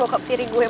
bokap tiri gue